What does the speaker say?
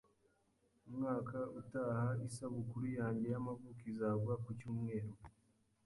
Umwaka utaha isabukuru yanjye y'amavuko izagwa ku cyumweru